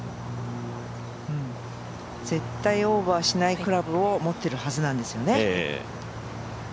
絶対オーバーしないクラブを持っているはずなんですよね。